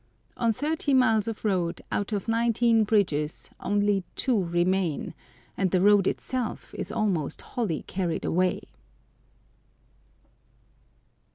On thirty miles of road, out of nineteen bridges only two remain, and the road itself is almost wholly carried away!